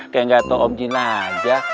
kayak nggak tahu om jin aja